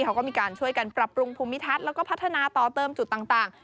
เขาก็มีการช่วยกันปรับปรุงภูมิทัศน์แล้วก็พัฒนาต่อเติมจุดต่าง